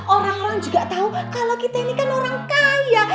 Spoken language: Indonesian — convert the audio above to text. orang orang juga tahu kalau kita ini kan orang kaya